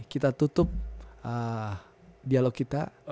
kita tutup dialog kita